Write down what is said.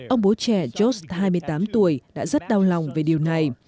ông bố trẻ josh hai mươi tám tuổi đã rất đau lòng về điều này